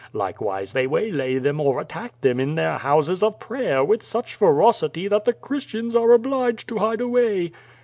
Likewise they waylay them or attack them in their houses of prayer with such ferocity that the Christians are obliged to hide away."